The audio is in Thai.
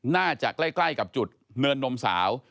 น่าจะใกล้กับจุดเนินนมสาว